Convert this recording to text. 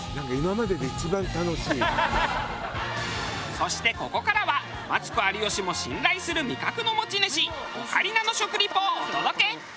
そしてここからはマツコ有吉も信頼する味覚の持ち主オカリナの食リポをお届け！